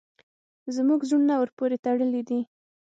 زموږ زړونه ورپورې تړلي دي.